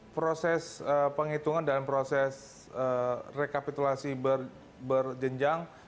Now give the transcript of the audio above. proses penghitungan dan proses rekapitulasi berjenjang